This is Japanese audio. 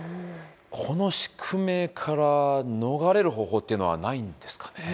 この宿命から逃れる方法っていうのはないんですかね。